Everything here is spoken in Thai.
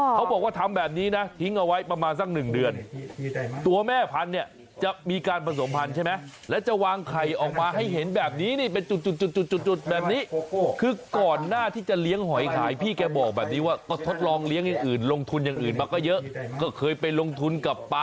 เขาบอกว่าทำแบบนี้นะทิ้งเอาไว้ประมาณสักหนึ่งเดือน